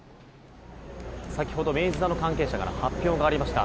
先ほど明治座の関係者から発表がありました。